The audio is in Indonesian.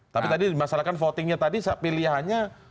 tapi tadi masalahkan votingnya tadi pilihannya